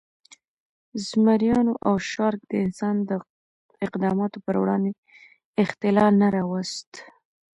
زمریانو او شارک د انسان د اقداماتو پر وړاندې اختلال نه راوست.